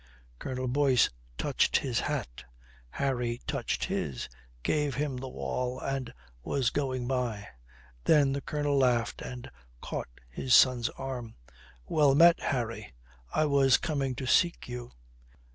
Colonel Boyce touched his hat. Harry touched his, gave him the wall and was going by. Then the Colonel laughed and caught his son's arm. "Well met, Harry. I was coming to seek you."